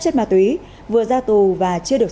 chất ma túy vừa ra tù và chưa được